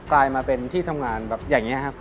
กลายมาเป็นที่ทำงานแบบอย่างนี้ครับ